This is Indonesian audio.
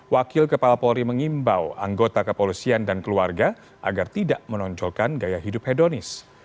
wakil kepala polri mengimbau anggota kepolisian dan keluarga agar tidak menonjolkan gaya hidup hedonis